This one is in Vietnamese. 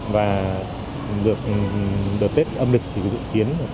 và lượt đợt tết âm lịch thì dự kiến